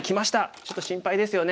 ちょっと心配ですよね。